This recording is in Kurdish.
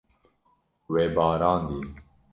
We barandiye.